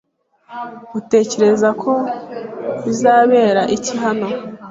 Utekereza ko bizabera iki hano?